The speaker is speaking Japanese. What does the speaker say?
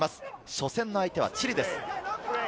初戦の相手はチリです。